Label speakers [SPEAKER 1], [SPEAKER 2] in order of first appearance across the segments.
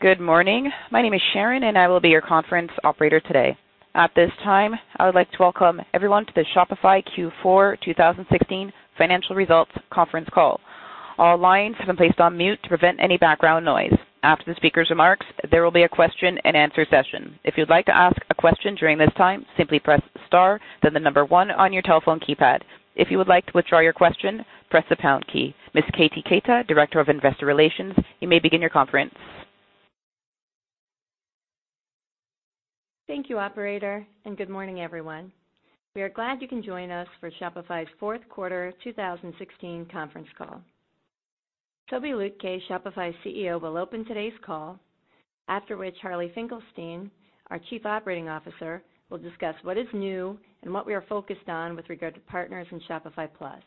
[SPEAKER 1] Good morning. My name is Sharon, and I will be your conference operator today. At this time, I would like to welcome everyone to the Shopify Q4 2016 financial results conference call. All lines have been placed on mute to prevent any background noise. After the speaker's remarks, there will be a question-and-answer session. If you'd like to ask a question during this time, simply press star, then the number one on your telephone keypad. If you would like to withdraw your question, press the pound key. Ms. Katie Keita, Director of Investor Relations, you may begin your conference.
[SPEAKER 2] Thank you, operator, and good morning, everyone. We are glad you can join us for Shopify's fourth quarter, 2016 conference call. Tobi Lütke, Shopify's CEO, will open today's call. After which, Harley Finkelstein, our Chief Operating Officer, will discuss what is new and what we are focused on with regard to partners in Shopify Plus.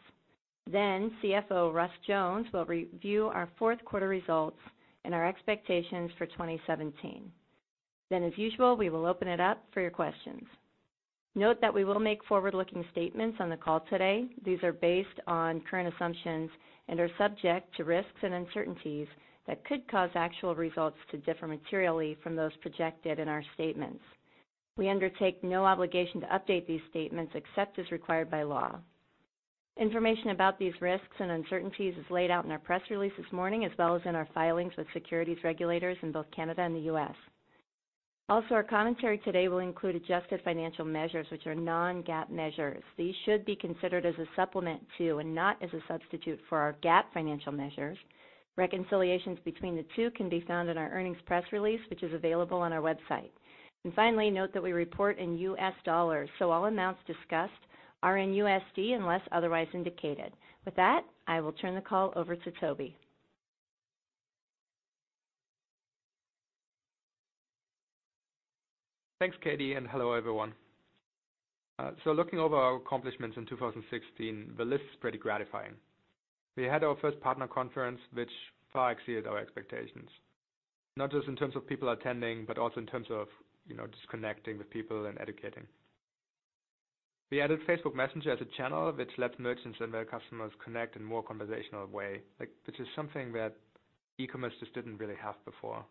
[SPEAKER 2] CFO Russ Jones will review our fourth quarter results and our expectations for 2017. As usual, we will open it up for your questions. Note that we will make forward-looking statements on the call today. These are based on current assumptions and are subject to risks and uncertainties that could cause actual results to differ materially from those projected in our statements. We undertake no obligation to update these statements except as required by law. Information about these risks and uncertainties is laid out in our press release this morning, as well as in our filings with securities regulators in both Canada and the U.S. Our commentary today will include adjusted financial measures which are non-GAAP measures. These should be considered as a supplement to and not as a substitute for our GAAP financial measures. Reconciliations between the two can be found in our earnings press release, which is available on our website. Finally, note that we report in U.S. dollars, so all amounts discussed are in U.S. dollars unless otherwise indicated. With that, I will turn the call over to Tobi.
[SPEAKER 3] Thanks, Katie, and hello, everyone. Looking over our accomplishments in 2016, the list is pretty gratifying. We had our first partner conference, which far exceeded our expectations, not just in terms of people attending, but also in terms of, you know, just connecting with people and educating. We added Facebook Messenger as a channel which lets merchants and their customers connect in more conversational way, like, which is something that e-commerce just didn't really have before.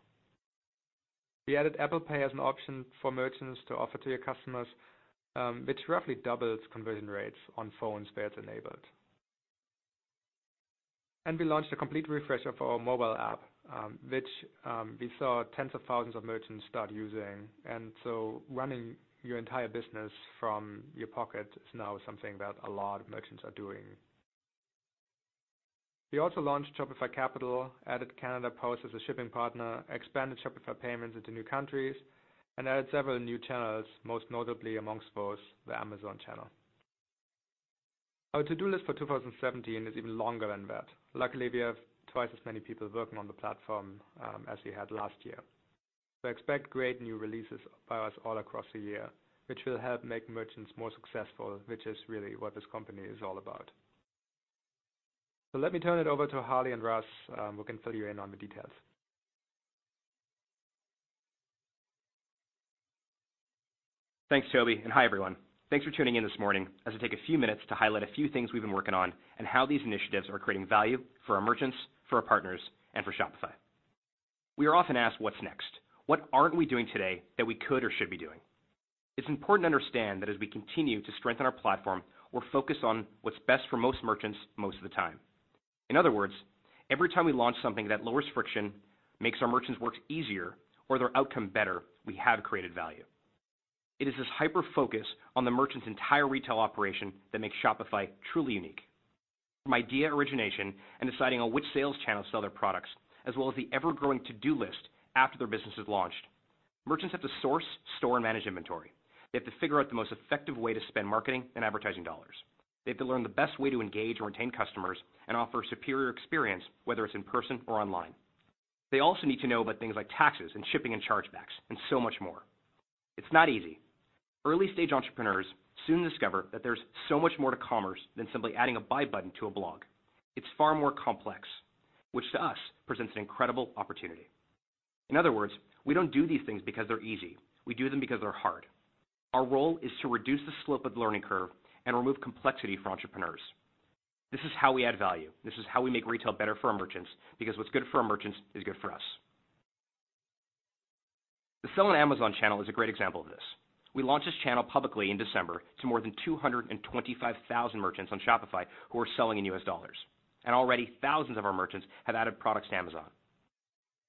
[SPEAKER 3] We added Apple Pay as an option for merchants to offer to your customers, which roughly doubles conversion rates on phones where it's enabled. We launched a complete refresh of our mobile app, which we saw tens of thousands of merchants start using. Running your entire business from your pocket is now something that a lot of merchants are doing. We also launched Shopify Capital, added Canada Post as a shipping partner, expanded Shopify Payments into new countries, and added several new channels, most notably amongst those, the Amazon channel. Our to-do list for 2017 is even longer than that. Luckily, we have twice as many people working on the platform as we had last year. We expect great new releases by us all across the year, which will help make merchants more successful, which is really what this company is all about. Let me turn it over to Harley and Russ, who can fill you in on the details.
[SPEAKER 4] Thanks, Tobi, and hi, everyone. Thanks for tuning in this morning as I take a few minutes to highlight a few things we've been working on and how these initiatives are creating value for our merchants, for our partners, and for Shopify. We are often asked what's next, what aren't we doing today that we could or should be doing. It's important to understand that as we continue to strengthen our platform, we're focused on what's best for most merchants most of the time. In other words, every time we launch something that lowers friction, makes our merchants work easier or their outcome better, we have created value. It is this hyper-focus on the merchant's entire retail operation that makes Shopify truly unique. From idea origination and deciding on which sales channel to sell their products, as well as the ever-growing to-do list after their business is launched, merchants have to source, store, and manage inventory. They have to figure out the most effective way to spend marketing and advertising dollars. They have to learn the best way to engage and retain customers and offer a superior experience, whether it's in person or online. They also need to know about things like taxes and shipping and chargebacks and so much more. It's not easy. Early-stage entrepreneurs soon discover that there's so much more to commerce than simply adding a buy button to a blog. It's far more complex, which to us presents an incredible opportunity. In other words, we don't do these things because they're easy. We do them because they're hard. Our role is to reduce the slope of the learning curve and remove complexity for entrepreneurs. This is how we add value. This is how we make retail better for our merchants because what's good for our merchants is good for us. The sell on Amazon channel is a great example of this. We launched this channel publicly in December to more than 225,000 merchants on Shopify who are selling in U.S. dollars. Already thousands of our merchants have added products to Amazon.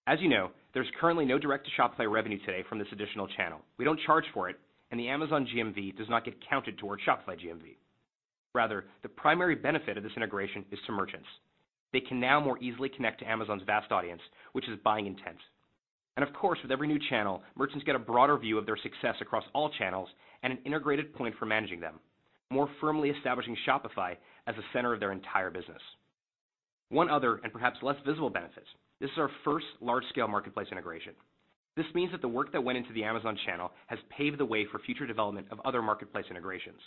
[SPEAKER 4] As you know, there's currently no direct-to-Shopify revenue today from this additional channel. We don't charge for it, and the Amazon GMV does not get counted toward Shopify GMV. Rather, the primary benefit of this integration is to merchants. They can now more easily connect to Amazon's vast audience, which is buying intent. Of course, with every new channel, merchants get a broader view of their success across all channels and an integrated point for managing them, more firmly establishing Shopify as the center of their entire business. One other and perhaps less visible benefit, this is our first large-scale marketplace integration. This means that the work that went into the Amazon channel has paved the way for future development of other marketplace integrations.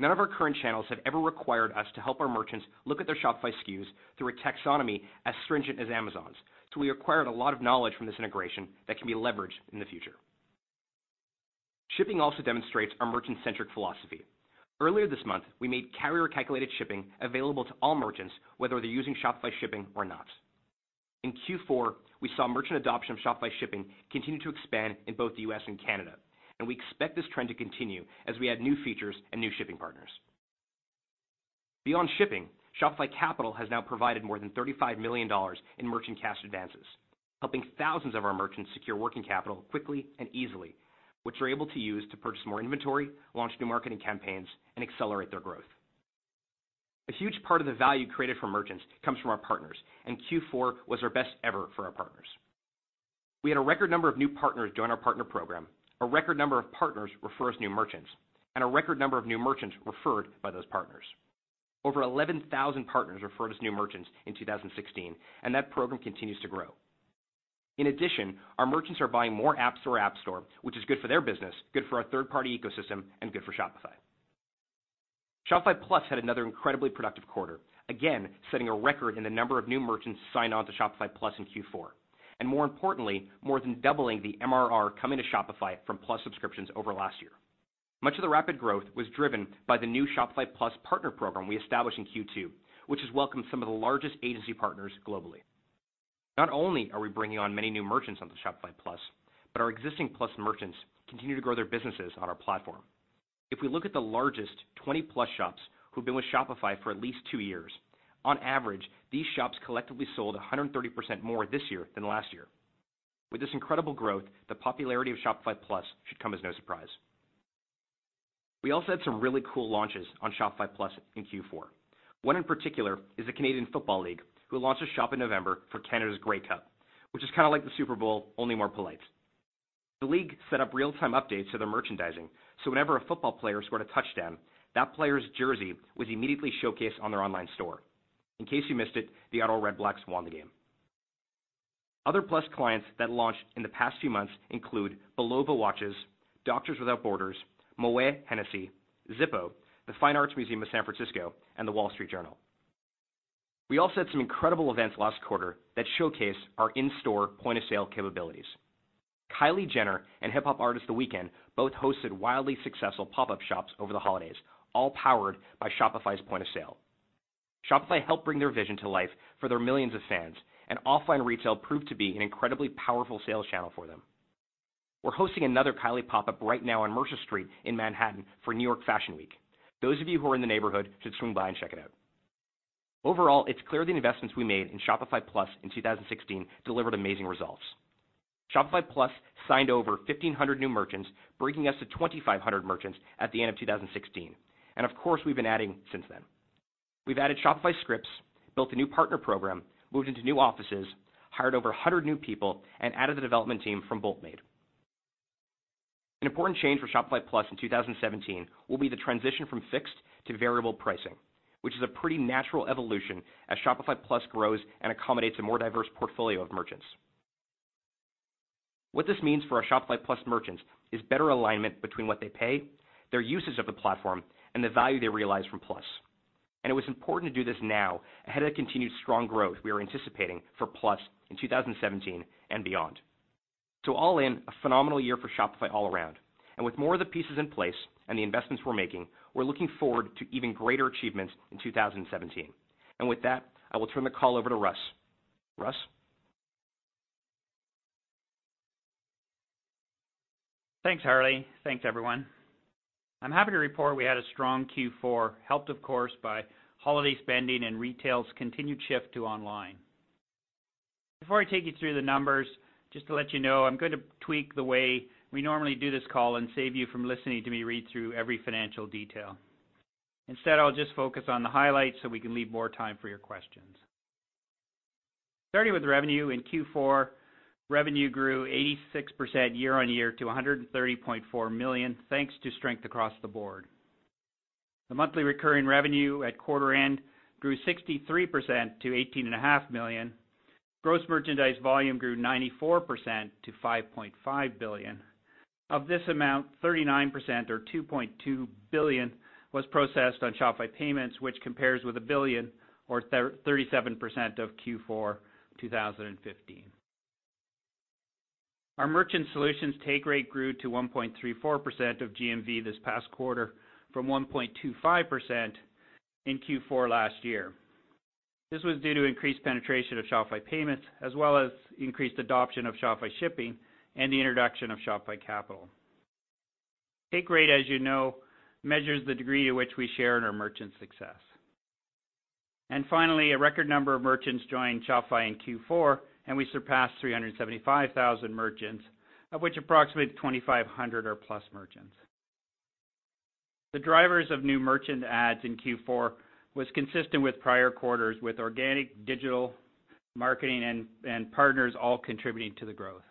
[SPEAKER 4] None of our current channels have ever required us to help our merchants look at their Shopify SKUs through a taxonomy as stringent as Amazon's. We acquired a lot of knowledge from this integration that can be leveraged in the future. Shipping also demonstrates our merchant-centric philosophy. Earlier this month, we made carrier-calculated shipping available to all merchants, whether they're using Shopify Shipping or not. In Q4, we saw merchant adoption of Shopify Shipping continue to expand in both the U.S. and Canada. We expect this trend to continue as we add new features and new shipping partners. Beyond shipping, Shopify Capital has now provided more than $35 million in merchant cash advances, helping thousands of our merchants secure working capital quickly and easily, which they're able to use to purchase more inventory, launch new marketing campaigns, and accelerate their growth. A huge part of the value created for merchants comes from our partners. Q4 was our best ever for our partners. We had a record number of new partners join our partner program, a record number of partners refer as new merchants, and a record number of new merchants referred by those partners. Over 11,000 partners referred as new merchants in 2016, that program continues to grow. In addition, our merchants are buying more apps through our App Store, which is good for their business, good for our third-party ecosystem, and good for Shopify. Shopify Plus had another incredibly productive quarter, again, setting a record in the number of new merchants signed on to Shopify Plus in Q4. More importantly, more than doubling the MRR coming to Shopify from Plus subscriptions over last year. Much of the rapid growth was driven by the new Shopify Plus partner program we established in Q2, which has welcomed some of the largest agency partners globally. Not only are we bringing on many new merchants onto Shopify Plus, but our existing Plus merchants continue to grow their businesses on our platform. If we look at the largest 20 Plus shops who've been with Shopify for at least two years, on average, these shops collectively sold 130% more this year than last year. With this incredible growth, the popularity of Shopify Plus should come as no surprise. We also had some really cool launches on Shopify Plus in Q4. One in particular is the Canadian Football League, who launched a shop in November for Canada's Grey Cup, which is kind of like the Super Bowl, only more polite. The league set up real-time updates to their merchandising, so whenever a football player scored a touchdown, that player's jersey was immediately showcased on their online store. In case you missed it, the Ottawa Redblacks won the game. Other Plus clients that launched in the past few months include Bulova Watches, Doctors Without Borders, Moët Hennessy, Zippo, the Fine Arts Museums of San Francisco, and The Wall Street Journal. We also had some incredible events last quarter that showcased our in-store point-of-sale capabilities. Kylie Jenner and hip-hop artist The Weeknd both hosted wildly successful pop-up shops over the holidays, all powered by Shopify's point-of-sale. Shopify helped bring their vision to life for their millions of fans, and offline retail proved to be an incredibly powerful sales channel for them. We're hosting another Kylie pop-up right now on Mercer Street in Manhattan for New York Fashion Week. Those of you who are in the neighborhood should swing by and check it out. Overall, it's clear the investments we made in Shopify Plus in 2016 delivered amazing results. Shopify Plus signed over 1,500 new merchants, bringing us to 2,500 merchants at the end of 2016. Of course, we've been adding since then. We've added Shopify Scripts, built a new partner program, moved into new offices, hired over 100 new people, and added the development team from Boltmade. An important change for Shopify Plus in 2017 will be the transition from fixed to variable pricing, which is a pretty natural evolution as Shopify Plus grows and accommodates a more diverse portfolio of merchants. What this means for our Shopify Plus merchants is better alignment between what they pay, their usage of the platform, and the value they realize from Plus. It was important to do this now ahead of the continued strong growth we are anticipating for Plus in 2017 and beyond. All in, a phenomenal year for Shopify all around. With more of the pieces in place and the investments we're making, we're looking forward to even greater achievements in 2017. With that, I will turn the call over to Russ. Russ?
[SPEAKER 5] Thanks, Harley. Thanks, everyone. I'm happy to report we had a strong Q4, helped, of course, by holiday spending and retail's continued shift to online. Before I take you through the numbers, just to let you know, I'm going to tweak the way we normally do this call and save you from listening to me read through every financial detail. I'll just focus on the highlights so we can leave more time for your questions. Starting with revenue in Q4, revenue grew 86% year-on-year to $130.4 million, thanks to strength across the board. The monthly recurring revenue at quarter end grew 63% to $18.5 million. Gross merchandise volume grew 94% to $5.5 billion. Of this amount, 39% or $2.2 billion was processed on Shopify Payments, which compares with $1 billion or 37% of Q4 2015. Our merchant solutions take rate grew to 1.34% of GMV this past quarter from 1.25% in Q4 last year. This was due to increased penetration of Shopify Payments, as well as increased adoption of Shopify Shipping and the introduction of Shopify Capital. Take rate, as you know, measures the degree to which we share in our merchant success. Finally, a record number of merchants joined Shopify in Q4, and we surpassed 375,000 merchants, of which approximately 2,500 are Plus merchants. The drivers of new merchant adds in Q4 was consistent with prior quarters, with organic digital marketing and partners all contributing to the growth.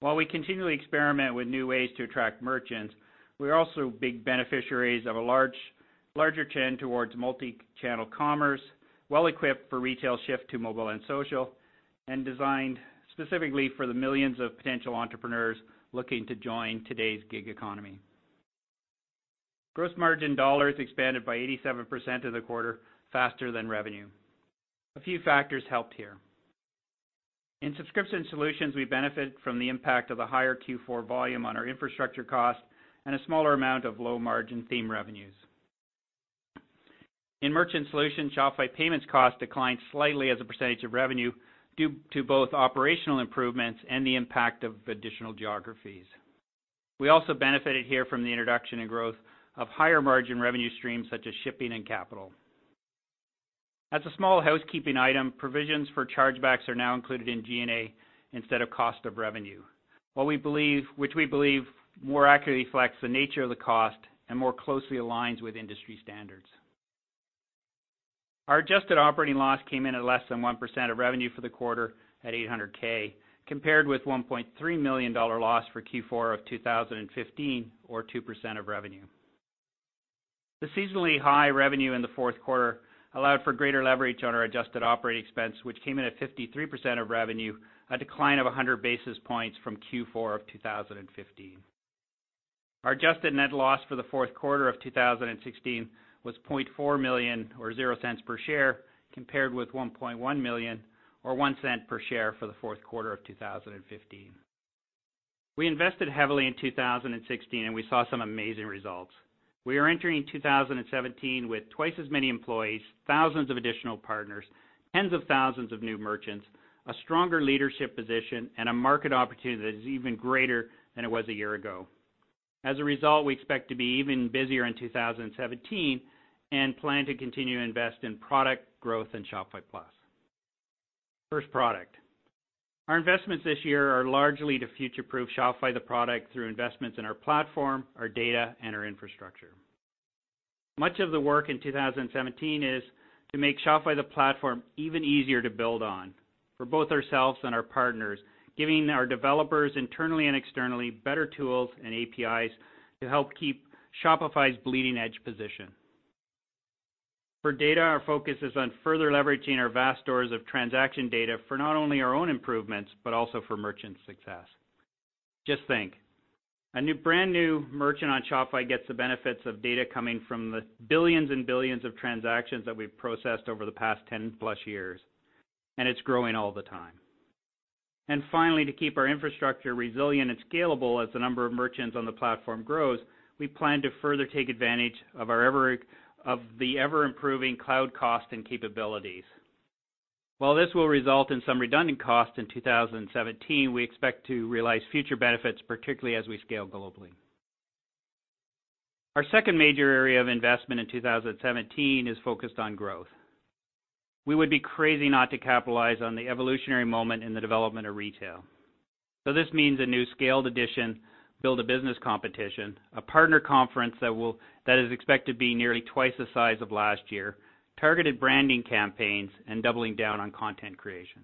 [SPEAKER 5] While we continually experiment with new ways to attract merchants, we're also big beneficiaries of a larger trend towards multi-channel commerce, well-equipped for retail shift to mobile and social, and designed specifically for the millions of potential entrepreneurs looking to join today's gig economy. Gross margin dollars expanded by 87% in the quarter faster than revenue. A few factors helped here. In subscription solutions, we benefit from the impact of a higher Q4 volume on our infrastructure cost and a smaller amount of low-margin theme revenues. In merchant solutions, Shopify Payments cost declined slightly as a percentage of revenue due to both operational improvements and the impact of additional geographies. We also benefited here from the introduction and growth of higher margin revenue streams such as Shipping and Capital. As a small housekeeping item, provisions for chargebacks are now included in G&A instead of cost of revenue, which we believe more accurately reflects the nature of the cost and more closely aligns with industry standards. Our adjusted operating loss came in at less than 1% of revenue for the quarter at $800,000, compared with a $1.3 million loss for Q4 of 2015 or 2% of revenue. The seasonally high revenue in the fourth quarter allowed for greater leverage on our adjusted operating expense, which came in at 53% of revenue, a decline of 100 basis points from Q4 of 2015. Our adjusted net loss for the fourth quarter of 2016 was $0.4 million or $0.00 per share, compared with $1.1 million or $0.01 per share for the fourth quarter of 2015. We invested heavily in 2016, and we saw some amazing results. We are entering 2017 with twice as many employees, thousands of additional partners, tens of thousands of new merchants, a stronger leadership position, and a market opportunity that is even greater than it was a year ago. As a result, we expect to be even busier in 2017 and plan to continue to invest in product growth and Shopify Plus. First, product. Our investments this year are largely to future-proof Shopify, the product, through investments in our platform, our data, and our infrastructure. Much of the work in 2017 is to make Shopify the platform even easier to build on for both ourselves and our partners, giving our developers internally and externally better tools and APIs to help keep Shopify's bleeding-edge position. For data, our focus is on further leveraging our vast stores of transaction data for not only our own improvements, but also for merchant success. Just think, a new, brand-new merchant on Shopify gets the benefits of data coming from the billions and billions of transactions that we've processed over the past 10+ years, and it's growing all the time. Finally, to keep our infrastructure resilient and scalable as the number of merchants on the platform grows, we plan to further take advantage of the ever-improving cloud cost and capabilities. While this will result in some redundant costs in 2017, we expect to realize future benefits, particularly as we scale globally. Our second major area of investment in 2017 is focused on growth. We would be crazy not to capitalize on the evolutionary moment in the development of retail. This means a new scaled edition, Build a Business Competition, a partner conference that is expected to be nearly twice the size of last year, targeted branding campaigns, and doubling down on content creation.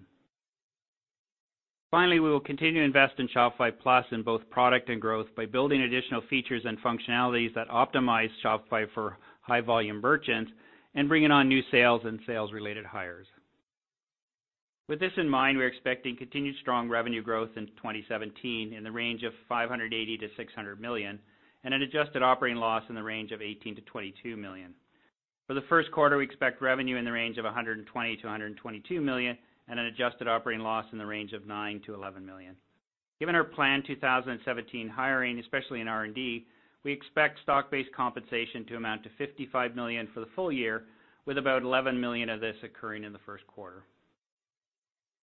[SPEAKER 5] Finally, we will continue to invest in Shopify Plus in both product and growth by building additional features and functionalities that optimize Shopify for high-volume merchants and bringing on new sales and sales-related hires. With this in mind, we are expecting continued strong revenue growth in 2017 in the range of $580 million-$600 million and an adjusted operating loss in the range of $18 million-$22 million. For the first quarter, we expect revenue in the range of $120 million-$122 million and an adjusted operating loss in the range of $9 million-$11 million. Given our planned 2017 hiring, especially in R&D, we expect stock-based compensation to amount to $55 million for the full year, with about $11 million of this occurring in the first quarter.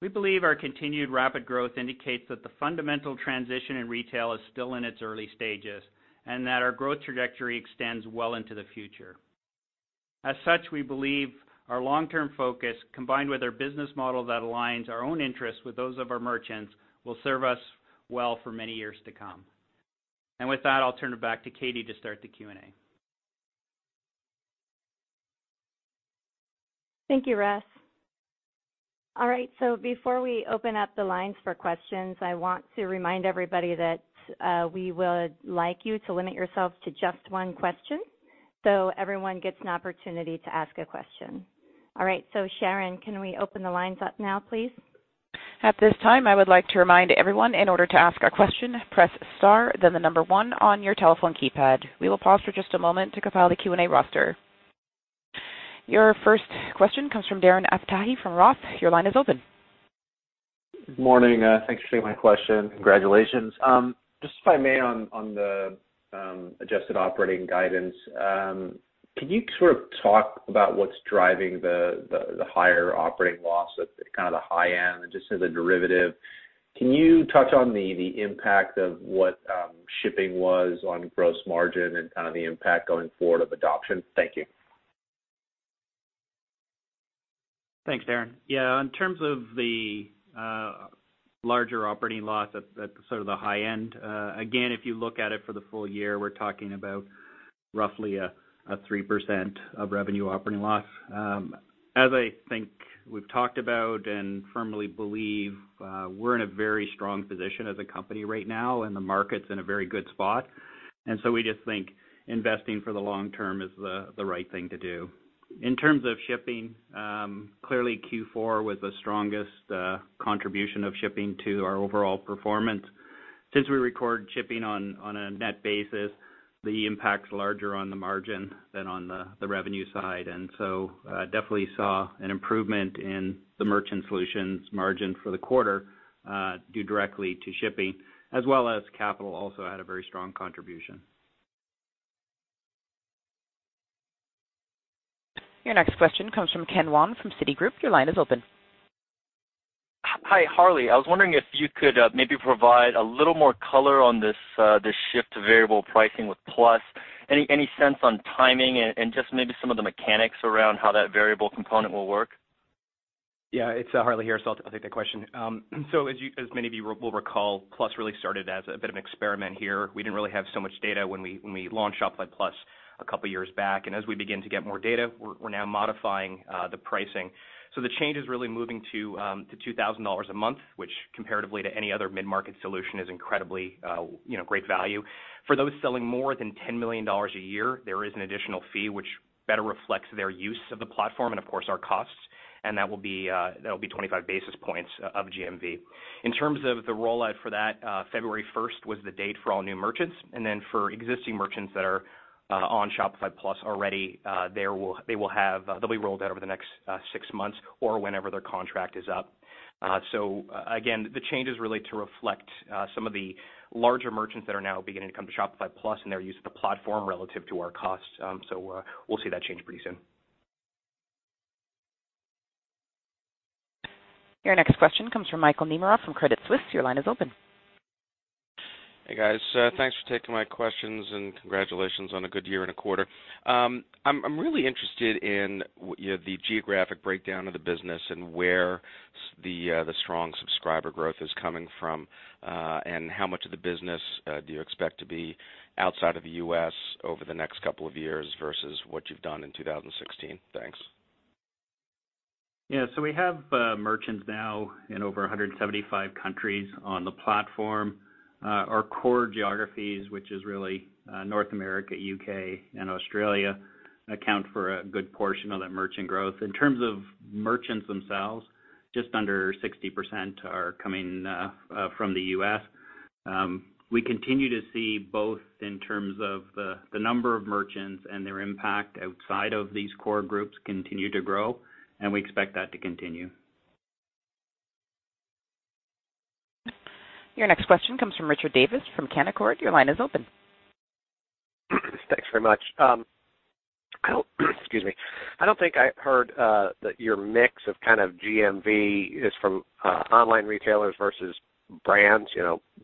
[SPEAKER 5] We believe our continued rapid growth indicates that the fundamental transition in retail is still in its early stages and that our growth trajectory extends well into the future. As such, we believe our long-term focus, combined with our business model that aligns our own interests with those of our merchants, will serve us well for many years to come. With that, I'll turn it back to Katie to start the Q&A.
[SPEAKER 2] Thank you, Russ. All right. Before we open up the lines for questions, I want to remind everybody that we would like you to limit yourselves to just one question, so everyone gets an opportunity to ask a question. All right. Sharon, can we open the lines up now, please?
[SPEAKER 1] At this time, I would like to remind everyone, in order to ask a question, press star, then the number one on your telephone keypad. We will pause for just a moment to compile the Q&A roster. Your first question comes from Darren Aftahi from ROTH. Your line is open.
[SPEAKER 6] Good morning. Thanks for taking my question. Congratulations. Just if I may on the adjusted operating guidance, can you sort of talk about what's driving the higher operating loss at kind of the high end and just as a derivative? Can you touch on the impact of what shipping was on gross margin and kind of the impact going forward of adoption? Thank you.
[SPEAKER 5] Thanks, Darren. In terms of the larger operating loss at sort of the high end, again, if you look at it for the full year, we're talking about roughly a 3% of revenue operating loss. As I think we've talked about and firmly believe, we're in a very strong position as a company right now, and the market's in a very good spot. We just think investing for the long term is the right thing to do. In terms of shipping, clearly Q4 was the strongest contribution of shipping to our overall performance. Since we record shipping on a net basis, the impact's larger on the margin than on the revenue side. Definitely saw an improvement in the merchant solutions margin for the quarter, due directly to shipping, as well as capital also had a very strong contribution.
[SPEAKER 1] Your next question comes from Ken Wong from Citigroup. Your line is open.
[SPEAKER 7] Hi, Harley. I was wondering if you could maybe provide a little more color on this shift to variable pricing with Plus. Any sense on timing and just maybe some of the mechanics around how that variable component will work?
[SPEAKER 4] Yeah, it's Harley here. I'll take that question. As you, as many of you will recall, Plus really started as a bit of an experiment here. We didn't really have so much data when we launched Shopify Plus a couple years back. As we begin to get more data, we're now modifying the pricing. The change is really moving to $2,000 a month, which comparatively to any other mid-market solution is incredibly, you know, great value. For those selling more than $10 million a year, there is an additional fee which better reflects their use of the platform and of course our costs, and that will be 25 basis points of GMV. In terms of the rollout for that, February 1st was the date for all new merchants. For existing merchants that are on Shopify Plus already, they'll be rolled out over the next six months or whenever their contract is up. Again, the change is really to reflect some of the larger merchants that are now beginning to come to Shopify Plus and their use of the platform relative to our costs. We'll see that change pretty soon.
[SPEAKER 1] Your next question comes from Michael Nemeroff from Credit Suisse. Your line is open.
[SPEAKER 8] Hey, guys, thanks for taking my questions and congratulations on a good year and a quarter. I'm really interested in, you know, the geographic breakdown of the business and where the strong subscriber growth is coming from, and how much of the business do you expect to be outside of the U.S. over the next couple of years versus what you've done in 2016. Thanks.
[SPEAKER 5] We have merchants now in over 175 countries on the platform. Our core geographies, which is really North America, U.K. and Australia, account for a good portion of that merchant growth. In terms of merchants themselves, just under 60% are coming from the U.S. We continue to see both in terms of the number of merchants and their impact outside of these core groups continue to grow, and we expect that to continue.
[SPEAKER 1] Your next question comes from Richard Davis from Canaccord. Your line is open.
[SPEAKER 9] Thanks very much. I don't think I heard that your mix of kind of GMV is from online retailers versus brands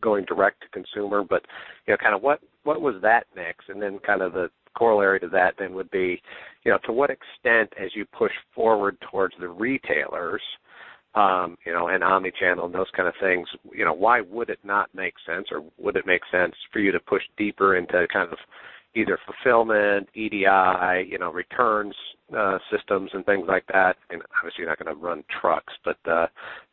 [SPEAKER 9] going direct-to-consumer. What was that mix? The corollary to that would be to what extent as you push forward towards the retailers and omni-channel and those kind of things, why would it not make sense or would it make sense for you to push deeper into kind of either fulfillment, EDI, returns, systems and things like that? Obviously, you're not gonna run trucks, but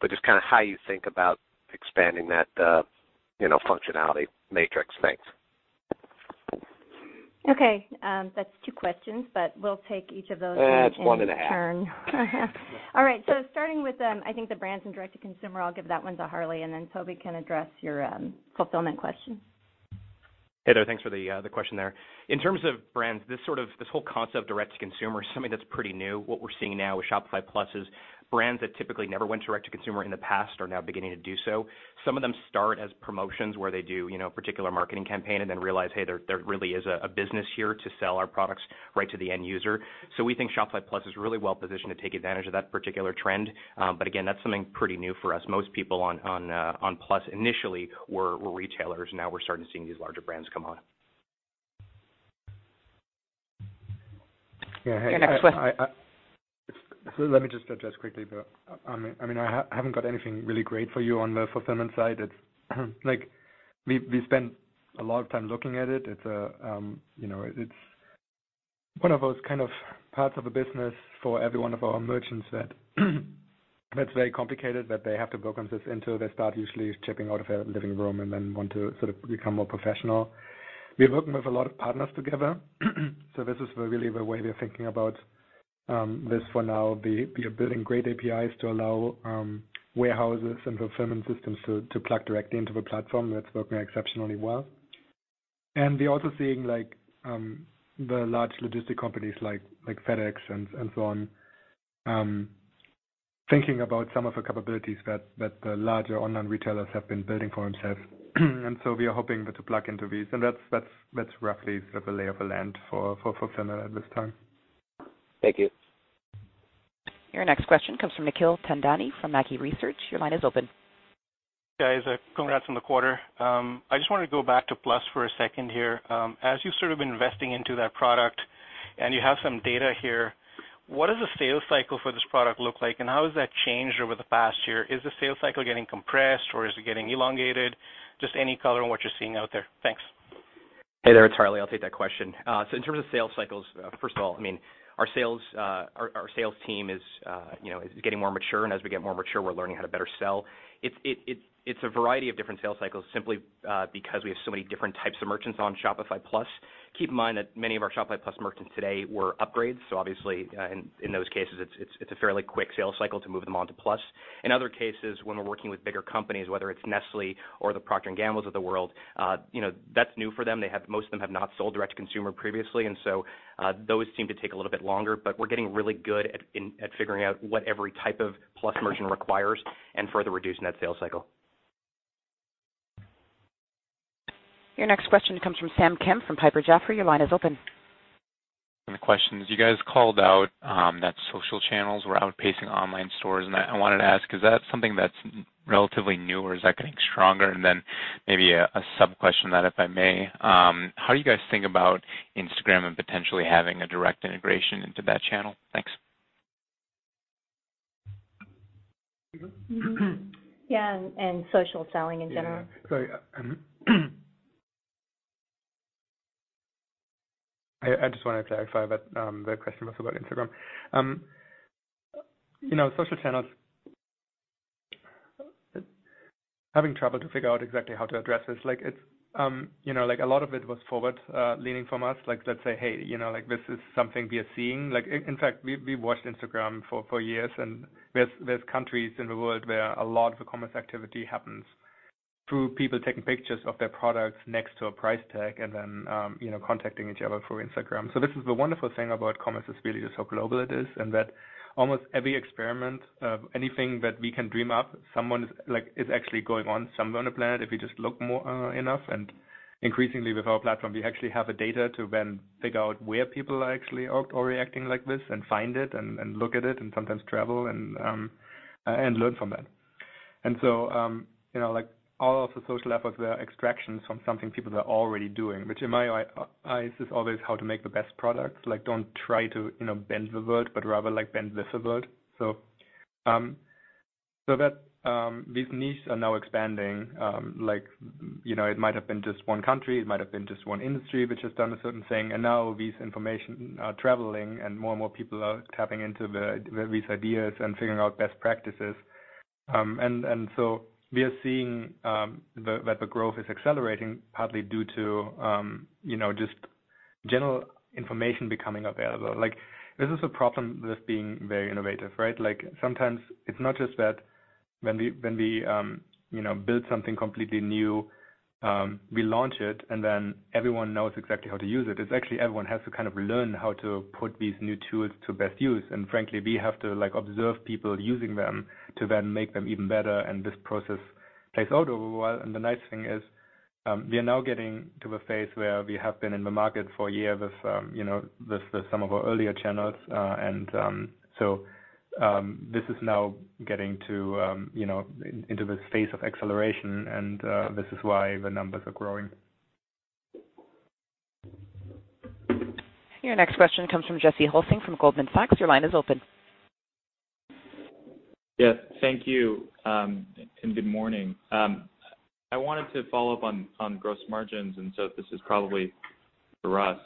[SPEAKER 9] just kinda how you think about expanding that functionality matrix. Thanks.
[SPEAKER 2] Okay, that's two questions, but we'll take each of those-
[SPEAKER 9] It's one and a half....
[SPEAKER 2] in turn. Starting with, I think the brands and direct-to-consumer, I'll give that one to Harley, and then Tobi can address your fulfillment question.
[SPEAKER 4] Hey there. Thanks for the question there. In terms of brands, this whole concept of direct-to consumer is something that's pretty new. What we're seeing now with Shopify Plus is brands that typically never went direct-to-consumer in the past are now beginning to do so. Some of them start as promotions where they do, you know, particular marketing campaign and then realize, hey, there really is a business here to sell our products right to the end user. We think Shopify Plus is really well-positioned to take advantage of that particular trend. Again, that's something pretty new for us. Most people on Plus initially were retailers. Now we're starting to seeing these larger brands come on.
[SPEAKER 2] Your next question-
[SPEAKER 3] Yeah. Hey, let me just address quickly, but, I mean, I haven't got anything really great for you on the fulfillment side. It's like we've spent a lot of time looking at it. It's, you know, it's one of those kind of parts of the business for every one of our merchants that's very complicated, that they have to book on this until they start usually shipping out of their living room and then want to sort of become more professional. We're working with a lot of partners together, this is really the way we're thinking about this for now. We are building great APIs to allow warehouses and fulfillment systems to plug directly into the platform. That's working exceptionally well. We're also seeing like, the large logistic companies like FedEx and so on, thinking about some of the capabilities that the larger online retailers have been building for themselves. We are hoping that to plug into these. That's roughly sort of the lay of the land for fulfillment at this time.
[SPEAKER 9] Thank you.
[SPEAKER 1] Your next question comes from Nikhil Thadani from Mackie Research. Your line is open.
[SPEAKER 10] Guys, congrats on the quarter. I just wanted to go back to Plus for a second here. As you're sort of investing into that product and you have some data here, what does the sales cycle for this product look like? How has that changed over the past year? Is the sales cycle getting compressed or is it getting elongated? Just any color on what you're seeing out there. Thanks.
[SPEAKER 4] Hey there. It's Harley, I'll take that question. So in terms of sales cycles, first of all, I mean, our sales team is, you know, is getting more mature. As we get more mature, we're learning how to better sell. It's a variety of different sales cycles simply because we have so many different types of merchants on Shopify Plus. Keep in mind that many of our Shopify Plus merchants today were upgrades, so obviously, in those cases it's a fairly quick sales cycle to move them onto Plus. In other cases, when we're working with bigger companies, whether it's Nestlé or the Procter & Gambles of the world, you know, that's new for them. Most of them have not sold direct-to-consumer previously. Those seem to take a little bit longer, but we're getting really good at figuring out what every type of Plus merchant requires and further reducing that sales cycle.
[SPEAKER 1] Your next question comes from Sam Kemp from Piper Jaffray. Your line is open.
[SPEAKER 11] The question is, you guys called out that social channels were outpacing online stores. I wanted to ask, is that something that's relatively new or is that getting stronger? Maybe a sub-question to that, if I may. How do you guys think about Instagram and potentially having a direct integration into that channel? Thanks.
[SPEAKER 2] Yeah, social selling in general.
[SPEAKER 3] Yeah. Sorry. I just wanna clarify that the question was about Instagram. You know, social channels, having trouble to figure out exactly how to address this. Like it's, you know, like a lot of it was forward-leaning from us. Let's say, hey, you know, like this is something we are seeing. In fact, we've watched Instagram for years, and there's countries in the world where a lot of commerce activity happens through people taking pictures of their products next to a price tag and then, you know, contacting each other through Instagram. This is the wonderful thing about commerce is really just how global it is, and that almost every experiment, anything that we can dream up, someone's like, is actually going on somewhere on the planet if you just look more enough. Increasingly, with our platform, we actually have the data to then figure out where people are actually or reacting like this and find it and look at it and sometimes travel and learn from it. So, you know, like all of the social efforts are extractions from something people are already doing, which in my eyes is always how to make the best products. Like, don't try to, you know, bend the world, but rather like bend this world. So that these niches are now expanding, like, you know, it might've been just one country, it might've been just one industry which has done a certain thing, and now these information are traveling and more and more people are tapping into these ideas and figuring out best practices. We are seeing that the growth is accelerating partly due to, you know, just general information becoming available. Like this is a problem with being very innovative, right? Like sometimes it's not just that when we, you know, build something completely new, we launch it and then everyone knows exactly how to use it. It's actually everyone has to kind of learn how to put these new tools to best use. Frankly, we have to like observe people using them to then make them even better. This process takes a little while. The nice thing is, we are now getting to a phase where we have been in the market for years with, you know, with some of our earlier channels. This is now getting to, you know, into the phase of acceleration and, this is why the numbers are growing.
[SPEAKER 1] Your next question comes from Jesse Hulsing from Goldman Sachs. Your line is open.
[SPEAKER 12] Yeah. Thank you, and good morning. I wanted to follow up on gross margins. This is probably for Russ.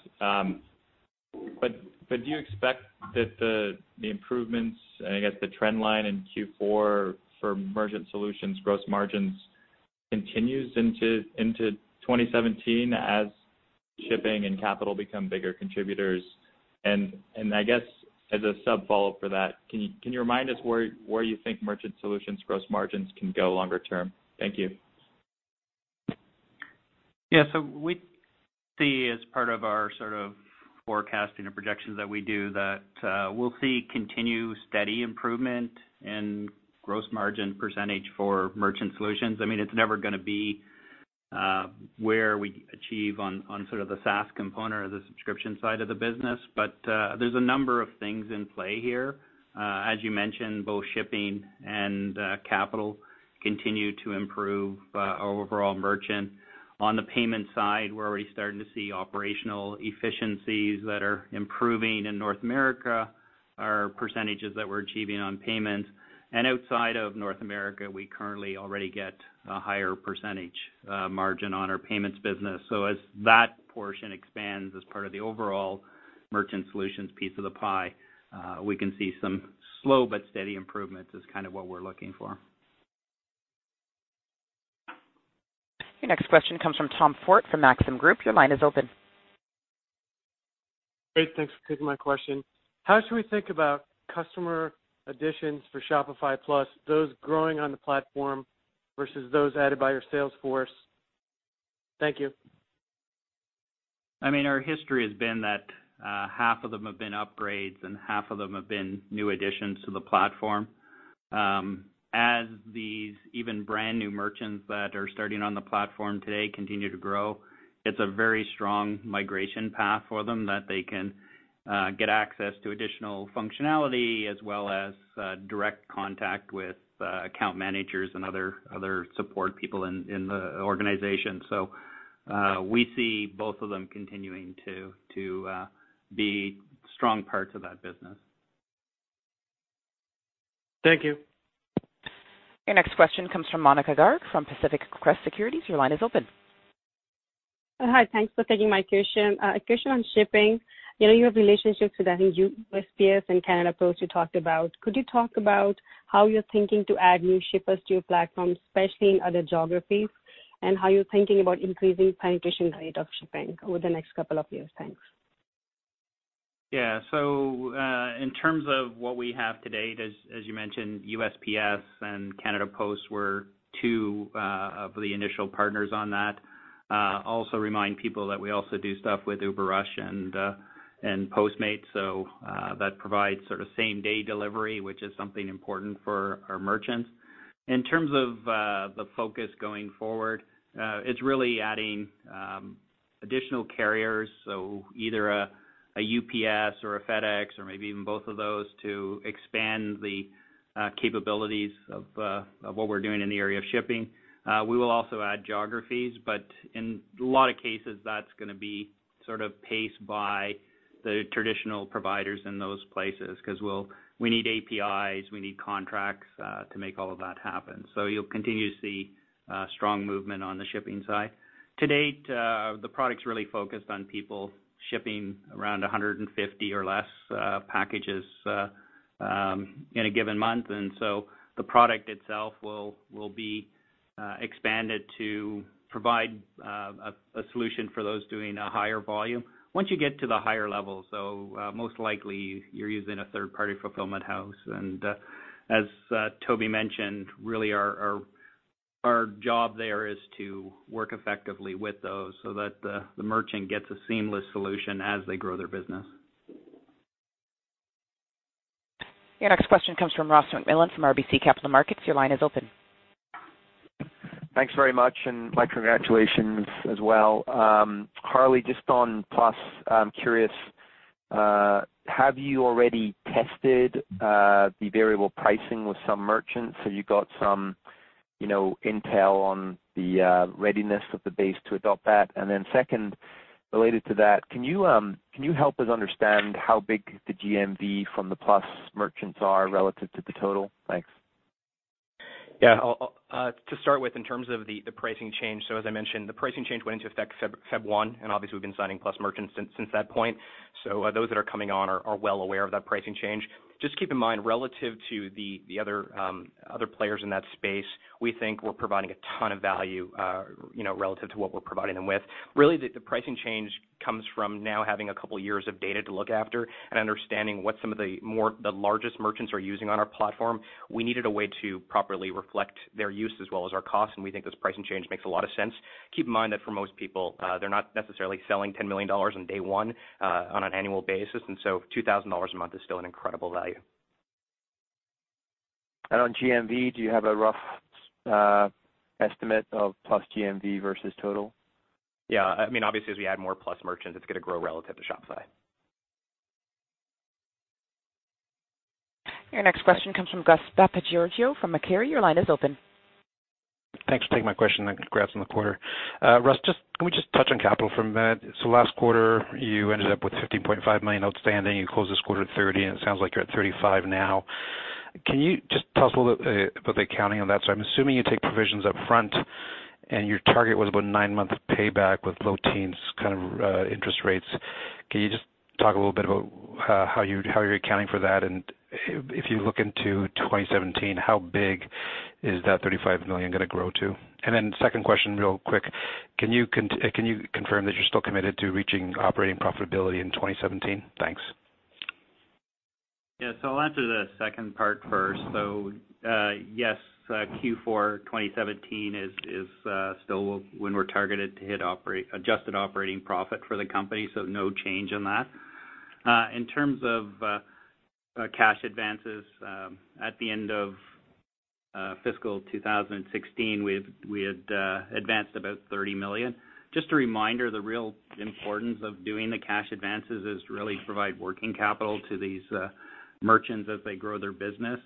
[SPEAKER 12] Do you expect that the improvements and I guess the trend line in Q4 for merchant solutions gross margins continues into 2017 as Shipping and Capital become bigger contributors? I guess as a sub follow-up for that, can you remind us where you think merchant solutions gross margins can go longer term? Thank you.
[SPEAKER 5] Yeah. We see as part of our sort of forecasting and projections that we do that, we'll see continued steady improvement in gross margin percentage for merchant solutions. I mean, it's never gonna be where we achieve on sort of the SaaS component or the subscription side of the business. There's a number of things in play here. As you mentioned, both Shipping and Capital continue to improve our overall merchant. On the Payments side, we're already starting to see operational efficiencies that are improving in North America, our percentage of that we're achieving on Payments. Outside of North America, we currently already get a higher percentage margin on our Payments business. As that portion expands as part of the overall merchant solutions piece of the pie, we can see some slow but steady improvements, is kind of what we're looking for.
[SPEAKER 1] Your next question comes from Tom Forte from Maxim Group. Your line is open.
[SPEAKER 13] Great. Thanks for taking my question. How should we think about customer additions for Shopify Plus, those growing on the platform versus those added by your sales force? Thank you.
[SPEAKER 4] I mean, our history has been that half of them have been upgrades and half of them have been new additions to the platform. As these even brand new merchants that are starting on the platform today continue to grow, it's a very strong migration path for them that they can get access to additional functionality as well as direct contact with account managers and other support people in the organization. We see both of them continuing to be strong parts of that business.
[SPEAKER 13] Thank you.
[SPEAKER 1] Your next question comes from Monika Garg from Pacific Crest Securities. Your line is open.
[SPEAKER 14] Hi. Thanks for taking my question. A question on Shipping. You know, you have relationships with, I think, USPS and Canada Post you talked about. Could you talk about how you're thinking to add new shippers to your platform, especially in other geographies, and how you're thinking about increasing penetration rate of Shipping over the next couple of years? Thanks.
[SPEAKER 5] Yeah. In terms of what we have to date, as you mentioned, USPS and Canada Post were two of the initial partners on that. Also remind people that we also do stuff with UberRUSH and Postmates. That provides sort of same day delivery, which is something important for our merchants. In terms of the focus going forward, it's really adding additional carriers, so either a UPS or a FedEx or maybe even both of those to expand the capabilities of what we're doing in the area of shipping. We will also add geographies, but in a lot of cases, that's gonna be sort of paced by the traditional providers in those places 'cause we need APIs, we need contracts to make all of that happen. You'll continue to see strong movement on the Shipping side. To date, the product's really focused on people shipping around 150 or less packages in a given month. The product itself will be expanded to provide a solution for those doing a higher volume. Once you get to the higher level, most likely you're using a third-party fulfillment house. As Tobi mentioned, really our job there is to work effectively with those so that the merchant gets a seamless solution as they grow their business.
[SPEAKER 1] Your next question comes from Ross MacMillan from RBC Capital Markets. Your line is open.
[SPEAKER 15] Thanks very much, and my congratulations as well. Harley, just on Plus, I'm curious, have you already tested the variable pricing with some merchants? Have you got some, you know, intel on the readiness of the base to adopt that? Then second, related to that, can you help us understand how big the GMV from the Plus merchants are relative to the total? Thanks.
[SPEAKER 4] Yeah. I'll to start with, in terms of the pricing change, as I mentioned, the pricing change went into effect February 1, and obviously we've been signing Plus merchants since that point. Those that are coming on are well aware of that pricing change. Just keep in mind, relative to the other players in that space, we think we're providing a ton of value, you know, relative to what we're providing them with. The pricing change comes from now having a couple of years of data to look after and understanding what some of the more, the largest merchants are using on our platform. We needed a way to properly reflect their use as well as our costs, and we think this pricing change makes a lot of sense. Keep in mind that for most people, they're not necessarily selling $10 million on day one, on an annual basis. $2,000 a month is still an incredible value.
[SPEAKER 15] On GMV, do you have a rough estimate of Plus GMV versus total?
[SPEAKER 4] Yeah. I mean, obviously, as we add more Plus merchants, it's gonna grow relative to Shopify.
[SPEAKER 1] Your next question comes from Gus Papageorgiou from Macquarie. Your line is open.
[SPEAKER 16] Thanks for taking my question and congrats on the quarter. Russ, can we just touch on capital for a minute? Last quarter, you ended up with $50.5 million outstanding. You closed this quarter at $30 million, and it sounds like you're at $35 million now. Can you just tell us a little bit about the accounting on that? I'm assuming you take provisions up front and your target was about nine-month payback with low teens kind of interest rates. Can you just talk a little bit about how you're accounting for that? If you look into 2017, how big is that $35 million gonna grow to? Second question real quick, can you confirm that you're still committed to reaching operating profitability in 2017? Thanks.
[SPEAKER 5] Yeah. I'll answer the second part first. Yes, Q4 2017 is still when we're targeted to hit adjusted operating profit for the company. No change on that. In terms of cash advances, at the end of fiscal 2016, we had advanced about $30 million. Just a reminder, the real importance of doing the cash advances is to really provide working capital to these merchants as they grow their business.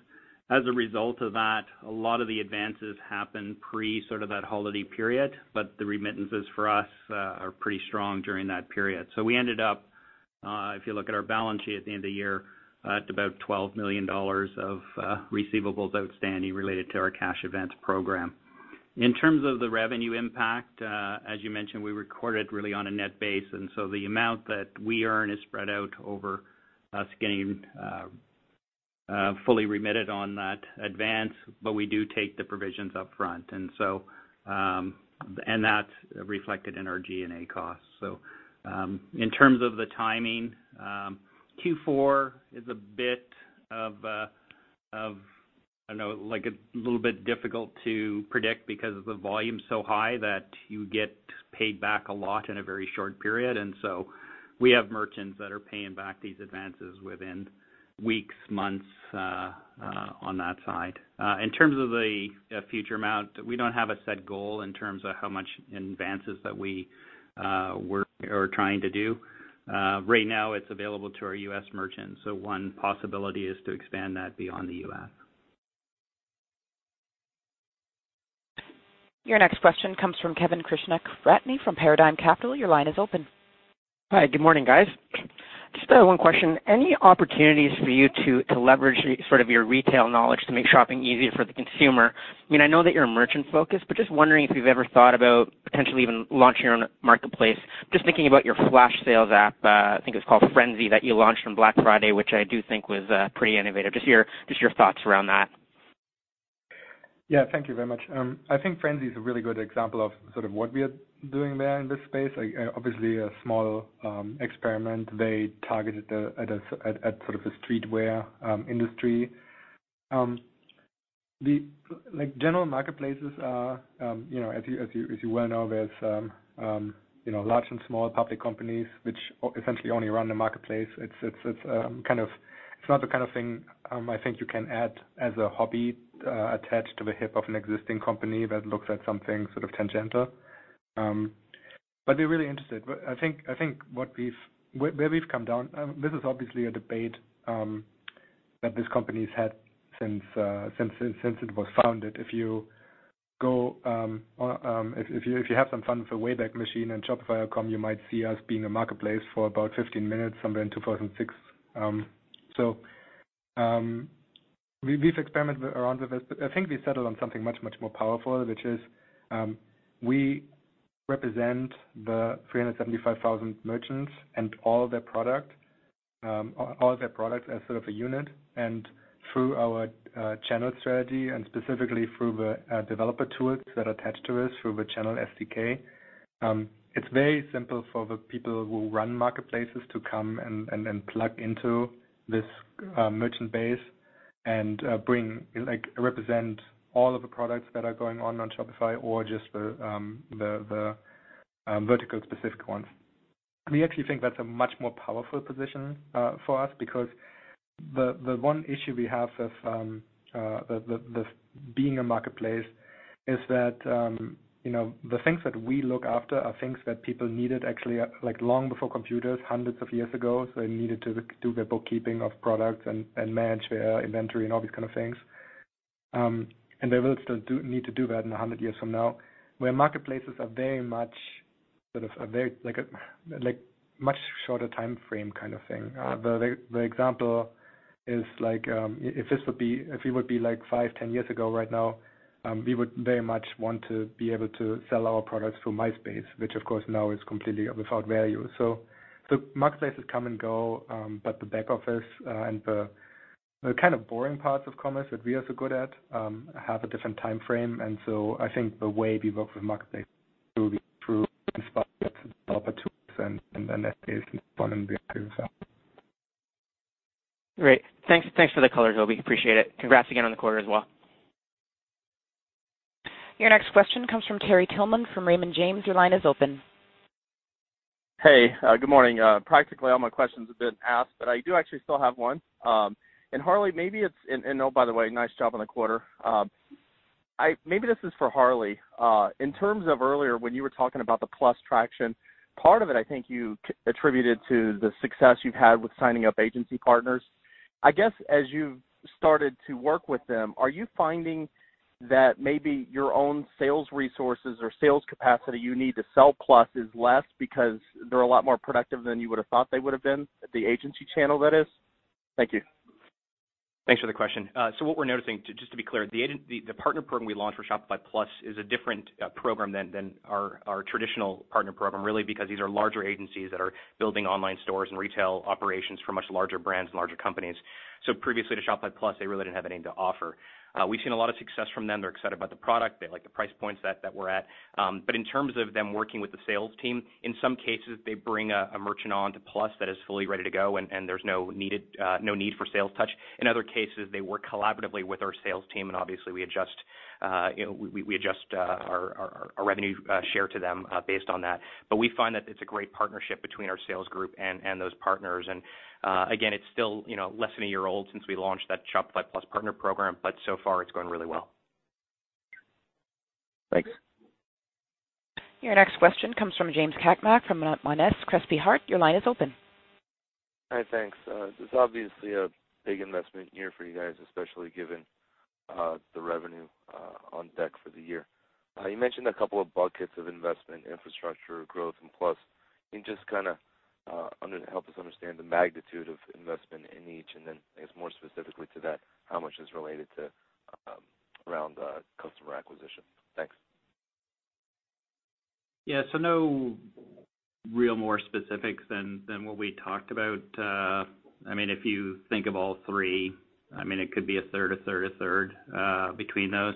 [SPEAKER 5] As a result of that, a lot of the advances happen pre sort of that holiday period, but the remittances for us are pretty strong during that period. We ended up, if you look at our balance sheet at the end of the year, at about $12 million of receivables outstanding related to our cash advance program. In terms of the revenue impact, as you mentioned, we recorded really on a net basis, the amount that we earn is spread out over us getting fully remitted on that advance, but we do take the provisions up front. That's reflected in our G&A costs. In terms of the timing, Q4 is a bit of a little bit difficult to predict because the volume's so high that you get paid back a lot in a very short period. We have merchants that are paying back these advances within weeks, months on that side. In terms of the future amount, we don't have a set goal in terms of how much advances that we were trying to do. Right now it's available to our U.S. merchants, so one possibility is to expand that beyond the U.S.
[SPEAKER 1] Your next question comes from Kevin Krishnaratne from Paradigm Capital. Your line is open.
[SPEAKER 17] Hi, good morning, guys. Just one question. Any opportunities for you to leverage sort of your retail knowledge to make shopping easier for the consumer? I mean, I know that you're merchant-focused, but just wondering if you've ever thought about potentially even launching your own marketplace. Just thinking about your flash sales app, I think it was called Frenzy, that you launched on Black Friday, which I do think was pretty innovative. Just your thoughts around that.
[SPEAKER 3] Yeah, thank you very much. I think Frenzy is a really good example of sort of what we are doing there in this space. Like, obviously a small experiment. They targeted the streetwear industry. The, like, general marketplaces are, as you well know, there's, you know, large and small public companies which essentially only run the marketplace. It's not the kind of thing I think you can add as a hobby attached to the hip of an existing company that looks at something sort of tangential. We're really interested. I think what we've come down, this is obviously a debate that this company's had since it was founded. If you go, or if you have some fun with a Wayback Machine in shopify.com, you might see us being a marketplace for about 15 minutes somewhere in 2006. We've experimented around with this, but I think we settled on something much more powerful, which is, we represent the 375,000 merchants and all of their product, all their products as sort of a unit. Through our channel strategy and specifically through the developer tools that are attached to us through the channel SDK, it's very simple for the people who run marketplaces to come and then plug into this merchant base and bring, like, represent all of the products that are going on on Shopify or just the vertical specific ones. We actually think that's a much more powerful position for us because the one issue we have with the being a marketplace is that, you know, the things that we look after are things that people needed actually, like, long before computers, hundreds of years ago. They needed to do their bookkeeping of products and manage their inventory and all these kind of things. They will still need to do that in 100 years from now. Marketplaces are very much sort of a very, like, a much shorter timeframe kind of thing. The example is, like, if we would be, like, 5, 10 years ago right now, we would very much want to be able to sell our products through Myspace, which of course now is completely without value. Marketplaces come and go, the back office and the kind of boring parts of commerce that we are so good at have a different timeframe. I think the way we work with marketplace through inspired developer tools and then that is one and the other side.
[SPEAKER 17] Great. Thanks for the color, Tobi. Appreciate it. Congrats again on the quarter as well.
[SPEAKER 1] Your next question comes from Terry Tillman from Raymond James. Your line is open.
[SPEAKER 18] Hey, good morning. Practically all my questions have been asked, but I do actually still have one. Harley, oh, by the way, nice job on the quarter. Maybe this is for Harley. In terms of earlier when you were talking about the Plus traction, part of it I think you attributed to the success you've had with signing up agency partners. I guess as you've started to work with them, are you finding that maybe your own sales resources or sales capacity you need to sell Plus is less because they're a lot more productive than you would've thought they would've been, the agency channel that is? Thank you.
[SPEAKER 4] Thanks for the question. What we're noticing, just to be clear, the partner program we launched for Shopify Plus is a different program than our traditional partner program really because these are larger agencies that are building online stores and retail operations for much larger brands and larger companies. Previously to Shopify Plus, they really didn't have anything to offer. We've seen a lot of success from them. They're excited about the product. They like the price points that we're at. In terms of them working with the sales team, in some cases, they bring a merchant on to Plus that is fully ready to go and there's no need for sales touch. In other cases, they work collaboratively with our sales team. Obviously, you know, we adjust our revenue share to them based on that. We find that it's a great partnership between our sales group and those partners. Again, it's still, you know, less than a year old since we launched that Shopify Plus partner program. So far it's going really well.
[SPEAKER 18] Thanks.
[SPEAKER 1] Your next question comes from James Cakmak from Monness, Crespi, Hardt. Your line is open.
[SPEAKER 19] Hi, thanks. This is obviously a big investment year for you guys, especially given the revenue on deck for the year. You mentioned a couple of buckets of investment, infrastructure, growth and Plus. Can you just kinda help us understand the magnitude of investment in each, and then I guess more specifically to that, how much is related to around customer acquisition? Thanks.
[SPEAKER 5] Yeah. No real more specifics than what we talked about. I mean, if you think of all three, I mean, it could be a third, a third, a third between those.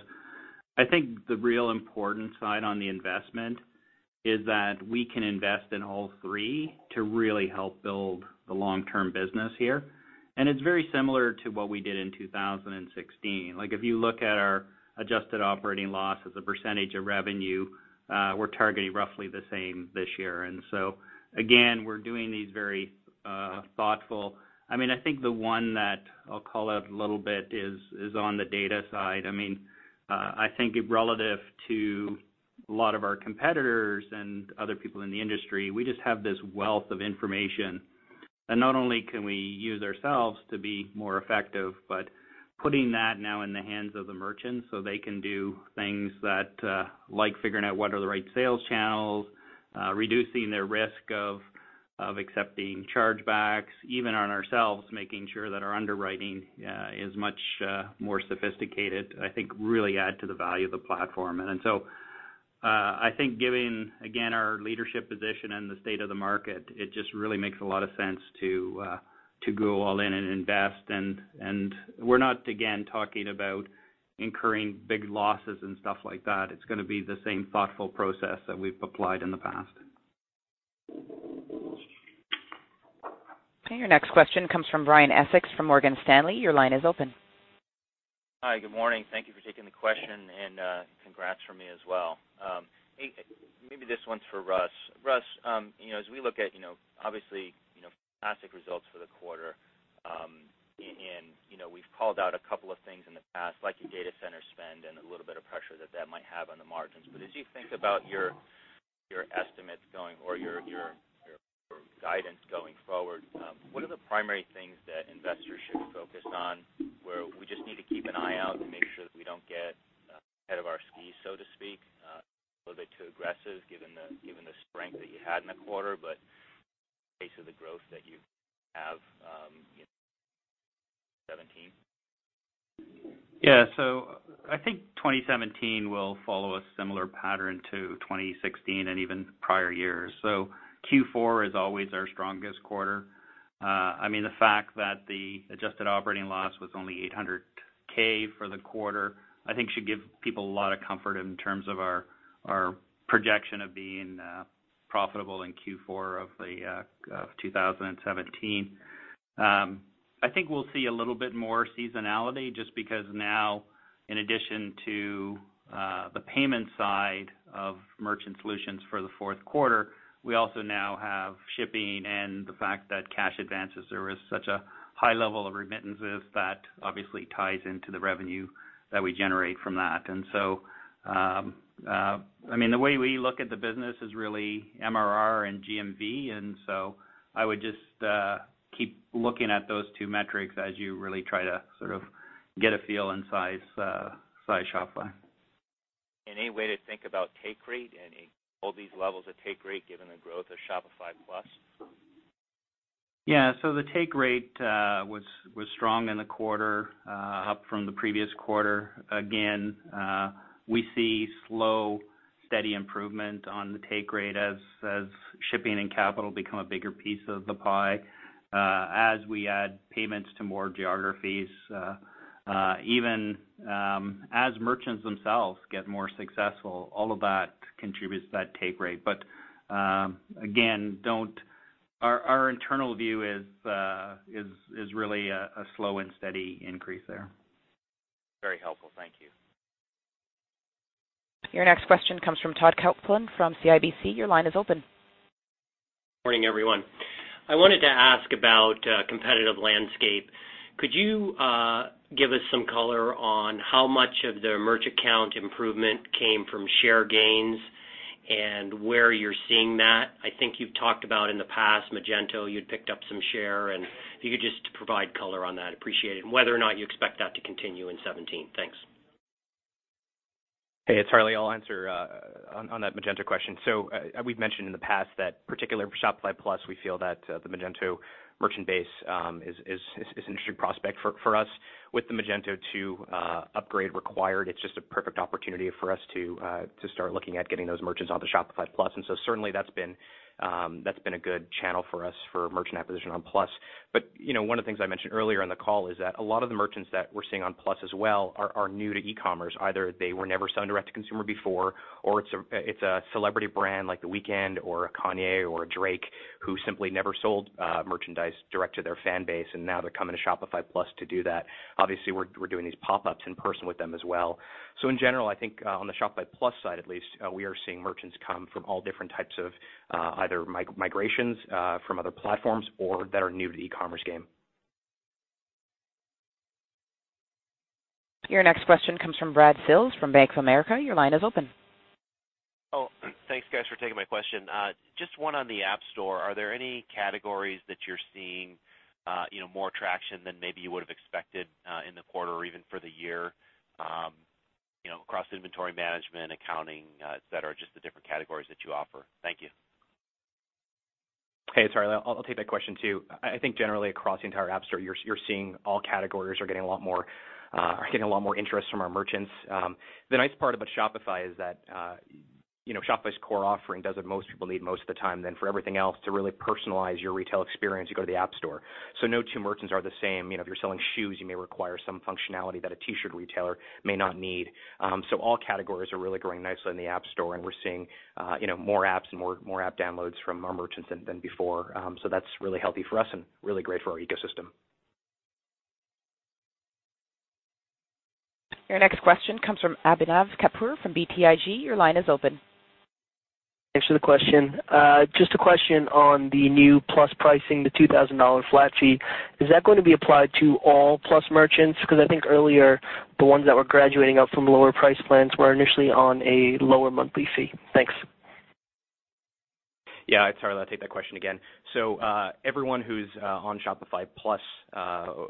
[SPEAKER 5] I think the real important side on the investment is that we can invest in all three to really help build the long-term business here. It's very similar to what we did in 2016. Like, if you look at our adjusted operating loss as a percentage of revenue, we're targeting roughly the same this year. Again, we're doing these very thoughtful. I mean, I think the one that I'll call out a little bit is on the data side. I mean, I think relative to a lot of our competitors and other people in the industry, we just have this wealth of information. Not only can we use ourselves to be more effective, but putting that now in the hands of the merchants so they can do things that, like figuring out what are the right sales channels, reducing their risk of accepting chargebacks, even on ourselves, making sure that our underwriting is much more sophisticated, I think really add to the value of the platform. I think given again our leadership position and the state of the market, it just really makes a lot of sense to go all in and invest. We're not again talking about incurring big losses and stuff like that. It's gonna be the same thoughtful process that we've applied in the past.
[SPEAKER 1] Okay. Your next question comes from Brian Essex from Morgan Stanley. Your line is open.
[SPEAKER 20] Hi, good morning. Thank Thank you for taking the question and congrats from me as well. Hey, maybe this one's for Russ. Russ, you know, as we look at, obviously, you know, classic results for the quarter, and, you know, we've called out a couple of things in the past, like your data center spend and a little bit of pressure that that might have on the margins. As you think about your estimates going or your guidance going forward, what are the primary things that investors should focus on where we just need to keep an eye out and make sure that we don't get ahead of our skis, so to speak, a little bit too aggressive given the strength that you had in the quarter, but pace of the growth that you have, 2017?
[SPEAKER 5] I think 2017 will follow a similar pattern to 2016 and even prior years. Q4 is always our strongest quarter. I mean, the fact that the adjusted operating loss was only $800,000 for the quarter, I think should give people a lot of comfort in terms of our projection of being profitable in Q4 of 2017. I think we'll see a little bit more seasonality just because now in addition to the Payments side of merchant solutions for the fourth quarter, we also now have Shipping and the fact that cash advances service such a high level of remittances that obviously ties into the revenue that we generate from that. I mean, the way we look at the business is really MRR and GMV. I would just keep looking at those two metrics as you really try to sort of get a feel and size of Shopify.
[SPEAKER 20] Any way to think about take rate, any all these levels of take rate given the growth of Shopify Plus?
[SPEAKER 5] Yeah. The take rate was strong in the quarter, up from the previous quarter. Again, we see slow, steady improvement on the take rate as Shipping and Capital become a bigger piece of the pie, as we add Payments to more geographies, even as merchants themselves get more successful, all of that contributes to that take rate. Again, our internal view is really a slow and steady increase there.
[SPEAKER 20] Very helpful. Thank you.
[SPEAKER 1] Your next question comes from Todd Coupland from CIBC. Your line is open.
[SPEAKER 21] Morning, everyone. I wanted to ask about competitive landscape. Could you give us some color on how much of the merchant count improvement came from share gains and where you're seeing that? I think you've talked about in the past, Magento, you'd picked up some share, and if you could just provide color on that, appreciate it, and whether or not you expect that to continue in 2017. Thanks.
[SPEAKER 4] Hey, it's Harley. I'll answer on that Magento question. We've mentioned in the past that particularly for Shopify Plus, we feel that the Magento merchant base is an interesting prospect for us. With the Magento 2 upgrade required, it's just a perfect opportunity for us to start looking at getting those merchants onto Shopify Plus. Certainly that's been a good channel for us for merchant acquisition on Plus. You know, one of the things I mentioned earlier in the call is that a lot of the merchants that we're seeing on Plus as well are new to e-commerce. Either they were never selling direct-to-consumer before, or it's a celebrity brand like The Weeknd or a Kanye or a Drake who simply never sold merchandise direct to their fan base. Now they're coming to Shopify Plus to do that. Obviously, we're doing these pop-ups in person with them as well. In general, I think on the Shopify Plus side, at least, we are seeing merchants come from all different types of either migrations from other platforms or that are new to the e-commerce game.
[SPEAKER 1] Your next question comes from Brad Sills from Bank of America. Your line is open.
[SPEAKER 22] Oh, thanks guys for taking my question. Just one on the App Store. Are there any categories that you're seeing, you know, more traction than maybe you would have expected in the quarter or even for the year, you know, across inventory management, accounting, et cetera, just the different categories that you offer? Thank you.
[SPEAKER 4] Hey, sorry. I'll take that question too. I think generally across the entire App Store, you're seeing all categories are getting a lot more interest from our merchants. The nice part about Shopify is that, you know, Shopify's core offering does what most people need most of the time. For everything else to really personalize your retail experience, you go to the App Store. No two merchants are the same. You know, if you're selling shoes, you may require some functionality that a T-shirt retailer may not need. All categories are really growing nicely in the App Store, and we're seeing, you know, more apps and more app downloads from our merchants than before. That's really healthy for us and really great for our ecosystem.
[SPEAKER 1] Your next question comes from Abhinav Kapoor from BTIG. Your line is open.
[SPEAKER 23] Thanks for the question. Just a question on the new Plus pricing, the $2,000 flat fee. Is that going to be applied to all Plus merchants? Because I think earlier, the ones that were graduating up from lower price plans were initially on a lower monthly fee. Thanks.
[SPEAKER 4] Yeah. It's Harley. I'll take that question again. Everyone who's on Shopify Plus,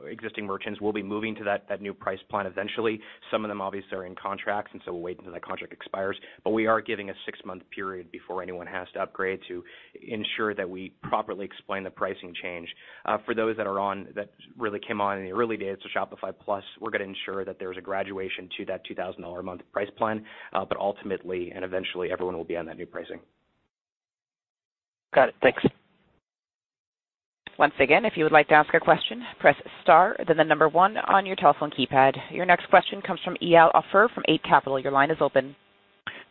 [SPEAKER 4] existing merchants will be moving to that new price plan eventually. Some of them obviously are in contracts, we'll wait until that contract expires. We are giving a certain six-month period before anyone has to upgrade to ensure that we properly explain the pricing change. For those that are on, that really came on in the early days of Shopify Plus, we're gonna ensure that there's a graduation to that $2,000-a-month price plan. Ultimately, eventually, everyone will be on that new pricing.
[SPEAKER 23] Got it. Thanks.
[SPEAKER 1] Once again, If you'd like to ask a question, press star then the number one on your telephone keypad. Your next question comes from Eyal Ofir from Eight Capital.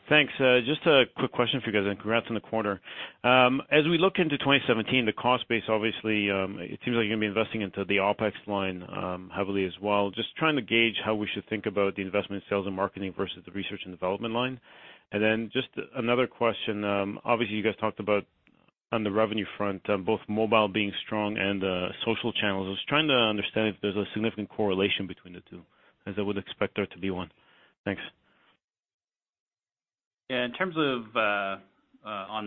[SPEAKER 24] Thanks. Just a quick question for you guys, and congrats on the quarter. As we look into 2017, the cost base, obviously, it seems like you're gonna be investing into the OpEx line heavily as well. Just trying to gauge how we should think about the investment sales and marketing versus the research and development line. Then just another question, obviously, you guys talked about on the revenue front, both mobile being strong and social channels. I was trying to understand if there's a significant correlation between the two, as I would expect there to be one. Thanks.
[SPEAKER 5] Yeah. In terms of the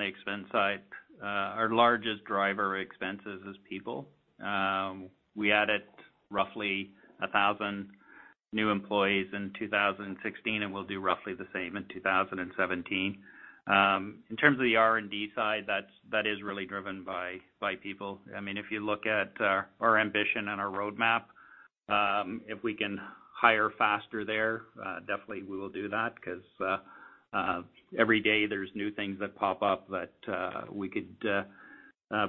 [SPEAKER 5] expense side, our largest driver expenses is people. We added roughly 1,000 new employees in 2016, and we'll do roughly the same in 2017. In terms of the R&D side, that is really driven by people. I mean, if you look at our ambition and our roadmap, if we can hire faster there, definitely we will do that 'cause every day there's new things that pop up that we could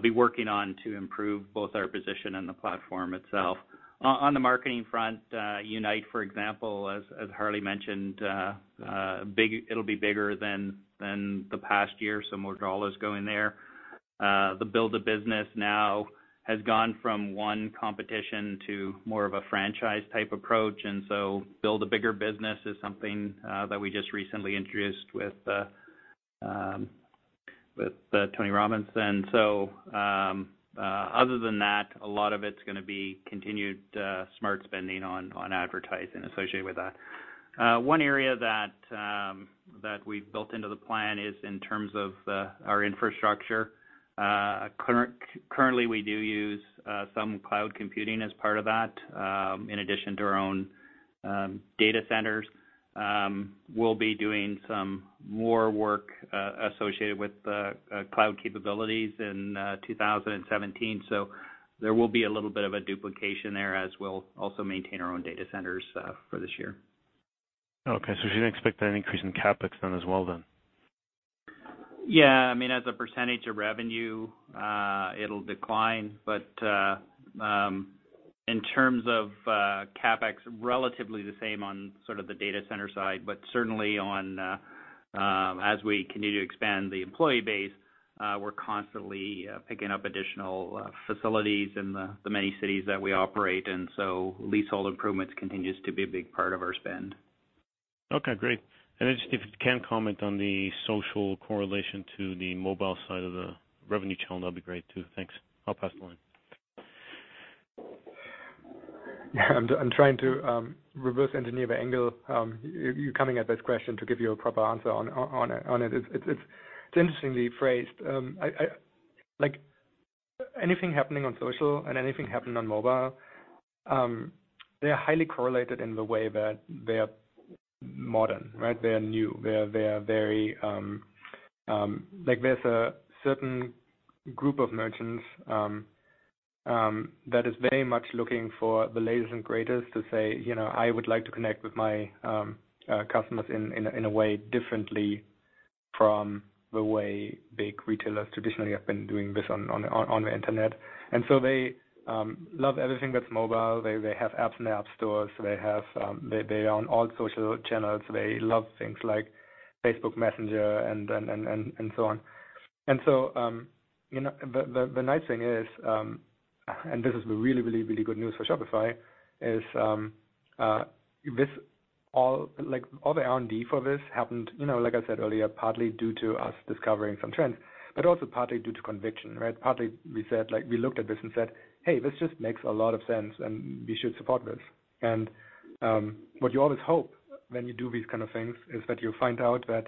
[SPEAKER 5] be working on to improve both our position and the platform itself. On the marketing front, Unite, for example, as Harley mentioned, it'll be bigger than the past year, so more dollars go in there. The Build a Business now has gone from one competition to more of a franchise type approach. Build a BIGGER Business is something that we just recently introduced with Tony Robbins. Other than that, a lot of it's gonna be continued smart spending on advertising associated with that. One area that we've built into the plan is in terms of our infrastructure. Currently, we do use some cloud computing as part of that, in addition to our own data centers. We'll be doing some more work associated with the cloud capabilities in 2017, so there will be a little bit of a duplication there as we'll also maintain our own data centers for this year.
[SPEAKER 24] Okay. You don't expect any increase in CapEx then as well then?
[SPEAKER 5] Yeah. I mean, as a percentage of revenue, it'll decline. In terms of CapEx, relatively the same on sort of the data center side, certainly as we continue to expand the employee base, we're constantly picking up additional facilities in the many cities that we operate in. Leasehold improvements continues to be a big part of our spend.
[SPEAKER 24] Okay, great. If you can comment on the social correlation to the mobile side of the revenue channel, that'd be great too. Thanks. I'll pass the line.
[SPEAKER 3] I'm trying to reverse engineer the angle you're coming at this question to give you a proper answer on it. It's interestingly phrased. Anything happening on social and anything happening on mobile, they are highly correlated in the way that they are modern, right? They are new. They are very like, there's a certain group of merchants that is very much looking for the latest and greatest to say, you know, I would like to connect with my customers in a way differently from the way big retailers traditionally have been doing this on the internet. They love everything that's mobile. They have apps in the app stores. They're on all social channels. They love things like Facebook Messenger and so on. You know, the nice thing is, and this is really good news for Shopify, is this all the R&D for this happened, you know, like I said earlier, partly due to us discovering some trends, but also partly due to conviction, right? Partly we said, we looked at this and said, hey, this just makes a lot of sense, and we should support this. What you always hope when you do these kind of things is that you find out that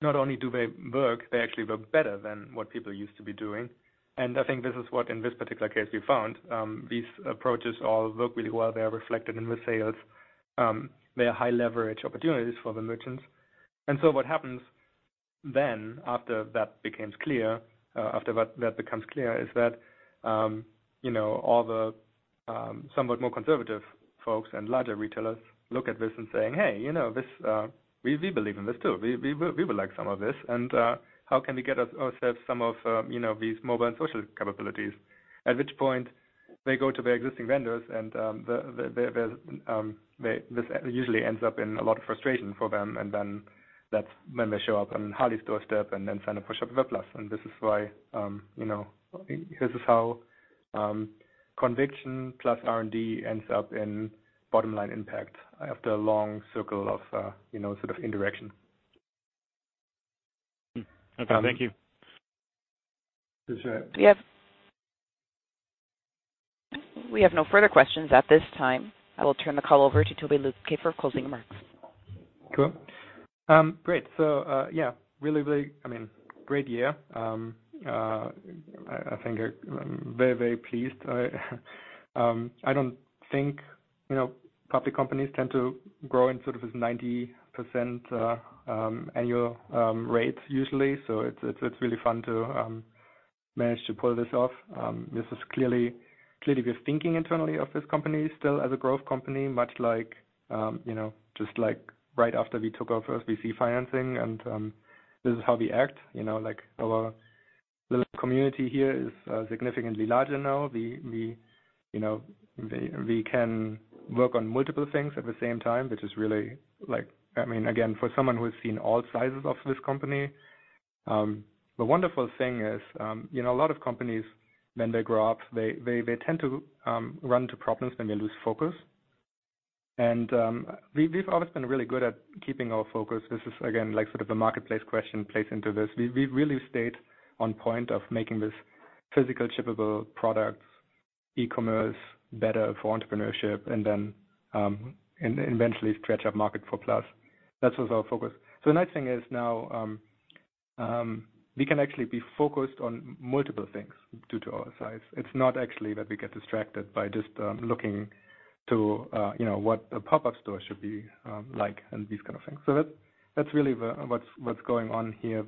[SPEAKER 3] not only do they work, they actually work better than what people used to be doing. I think this is what, in this particular case, we found, these approaches all work really well. They are reflected in the sales. They are high-leverage opportunities for the merchants. What happens then after that becomes clear is that, you know, all the somewhat more conservative folks and larger retailers look at this and saying, hey, you know, this, we believe in this too. We would like some of this. How can we get ourselves some of, you know, these mobile and social capabilities? At which point they go to their existing vendors. This usually ends up in a lot of frustration for them and then that's when they show up on Harley's doorstep and then sign up for Shopify Plus. This is why, you know, this is how, conviction plus R&D ends up in bottom-line impact after a long circle of, you know, sort of indirection.
[SPEAKER 24] Okay. Thank you.
[SPEAKER 1] We have no further questions at this time. I will turn the call over to Tobi Lütke for closing remarks.
[SPEAKER 3] Cool. Great. Yeah, really, really, I mean, great year. I think I'm very, very pleased. You know, public companies tend to grow in sort of this 90% annual rates usually. It's really fun to manage to pull this off. This is clearly we're thinking internally of this company still as a growth company, much like, you know, just like right after we took our first VC financing and this is how we act. You know, like our little community here is significantly larger now. We, you know, we can work on multiple things at the same time, which is really like I mean, again, for someone who has seen all sizes of this company—The wonderful thing is, you know, a lot of companies when they grow up, they tend to run into problems and they lose focus. We've always been really good at keeping our focus. This is again, like sort of the marketplace question plays into this. We've really stayed on point of making this physical shippable products, e-commerce better for entrepreneurship and then eventually stretch our market for Plus. That was our focus. The nice thing is now, we can actually be focused on multiple things due to our size. It's not actually that we get distracted by just looking to, you know, what a pop-up store should be, like, and these kind of things. That's really what's going on here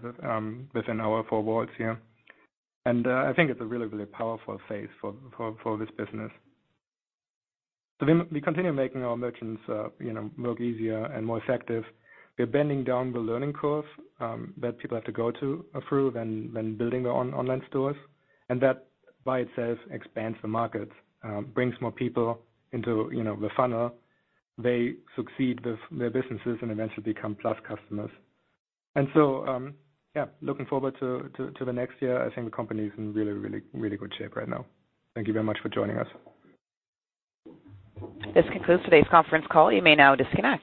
[SPEAKER 3] within our four walls. I think it's a really, really powerful phase for this business. We continue making our merchants, you know, work easier and more effective. We're bending down the learning curve that people have to go to approve and building their own online stores. That by itself expands the market, brings more people into, you know, the funnel. They succeed with their businesses and eventually become Plus customers. Yeah, looking forward to the next year. I think the company is in really, really, really good shape right now. Thank you very much for joining us.
[SPEAKER 1] This concludes today's conference call. You may now disconnect.